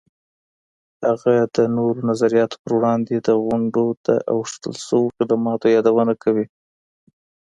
هغه د نورو نظریاتو په وړاندې د غونډو د اوښتل سویو خدماتو یادونه کوي.